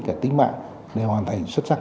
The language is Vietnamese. cả tính mạng để hoàn thành xuất sắc